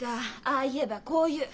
ああ言えばこう言う！